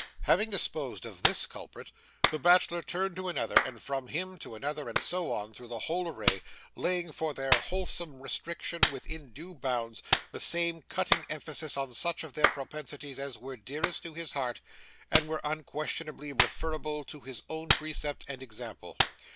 Having disposed of this culprit, the bachelor turned to another, and from him to another, and so on through the whole array, laying, for their wholesome restriction within due bounds, the same cutting emphasis on such of their propensities as were dearest to his heart and were unquestionably referrable to his own precept and example.